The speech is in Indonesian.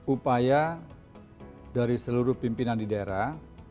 upaya dari seluruh pimpinan di daerah